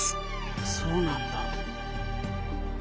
そうなんだ。